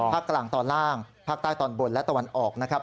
กลางตอนล่างภาคใต้ตอนบนและตะวันออกนะครับ